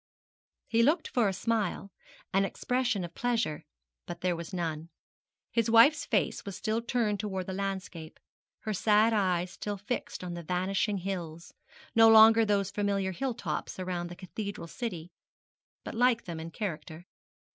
He looked for a smile, an expression of pleasure, but there was none. His wife's face was still turned towards the landscape, her sad eyes still fixed on the vanishing hills no longer those familiar hill tops around the cathedral city, but like them in character.